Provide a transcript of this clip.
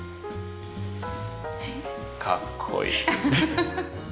かっこいい。